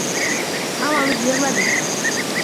Hammamiz yig’ladik